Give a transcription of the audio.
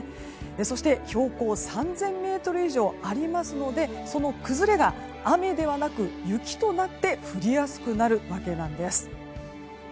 そして標高３０００ｍ以上ありますのでその崩れが雨ではなく雪となって降りやすくなるわけなんです。